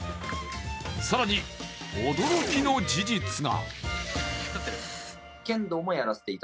更に、驚きの事実が。